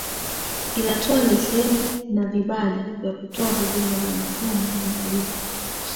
inatoa leseni na vibali vya kutoa huduma za mifumo ya malipo